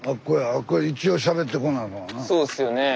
そうっすよねえ。